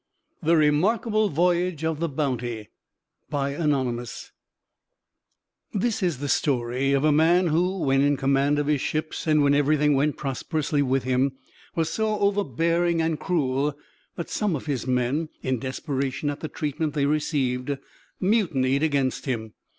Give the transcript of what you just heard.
THE REMARKABLE VOYAGE OF THE BOUNTY Anonymous This is a story of a man who, when in command of his ships and when everything went prosperously with him, was so overbearing and cruel that some of his men, in desperation at the treatment they received, mutinied against him.